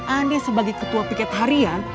anies sebagai ketua piket harian